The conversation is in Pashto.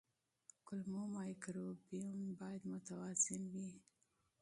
کولمو مایکروبیوم باید متوازن وي.